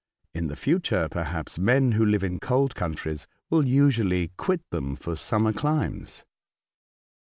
In the future, perhaps, men who live in cold countries will usually quit them for summer climes."